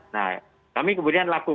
nah kami kemudian lakukan